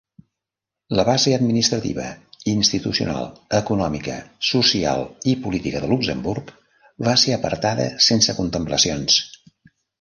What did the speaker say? La base administrativa, institucional, econòmica, social i política de Luxemburg va ser apartada sense contemplacions.